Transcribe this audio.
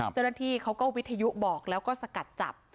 เจ้าหน้าที่เขาก็วิทยุบอกแล้วก็สกัดจับ